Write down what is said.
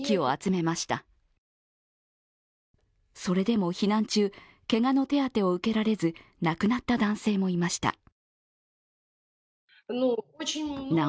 それでも避難中、けがの手当てを受けられず亡くなった男性もいました。